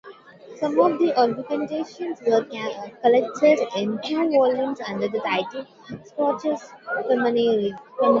Some of the "Aguafuertes" were collected in two volumes under the titles "Secretos femeninos.